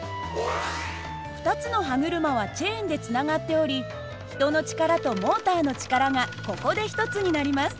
２つの歯車はチェーンでつながっており人の力とモーターの力がここで一つになります。